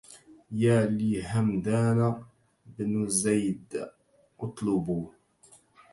يا لهمدان بن زيد اطلبوا